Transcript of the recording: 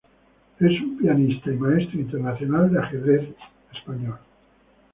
Es un pianista y maestro internacional de ajedrez español.